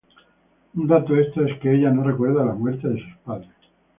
Un dato extra es que ella no recuerda la muerte de sus padres.